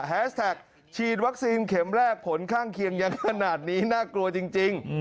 แฮสแท็กฉีดวัคซีนเข็มแรกผลข้างเคียงยังขนาดนี้น่ากลัวจริง